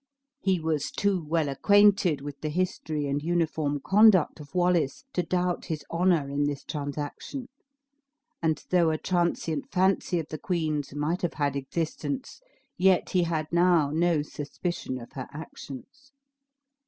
He was too well acquainted with the history and uniform conduct of Wallace to doubt his honor in this transaction; and though a transient fancy of the queen's might have had existence, yet he had now no suspicion of her actions.